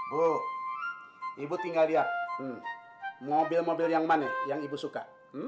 bu ibu tinggal lihat mobil mobil yang mana yang ibu suka